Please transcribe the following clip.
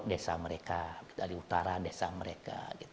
desa mereka dari utara desa mereka